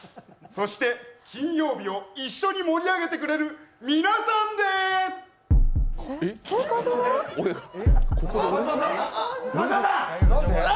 そして金曜日を一緒に盛り上げてくれる皆さんです、ゴッまただ。